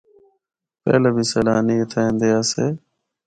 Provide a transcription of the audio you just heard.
پہلا بھی سیلانی اِتھا ایندے آسے۔